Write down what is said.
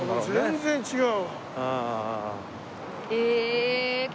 全然違う！